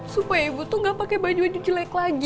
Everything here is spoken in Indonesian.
supaya ibu tuh gak pake baju baju jelek lagi